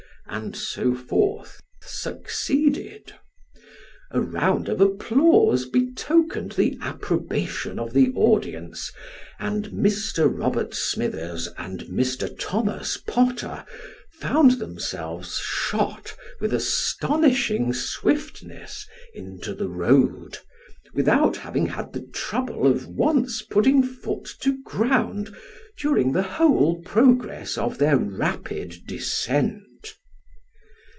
" and so forth, succeeded. A round of applause betokened the approbation of the audience, and Mr. Robei t Smithers and Mr. Thomas Potter found themselves shot with astonish ing swiftness into the road, without having had the trouble of once putting foot to ground during the whole progress of their rapid descent.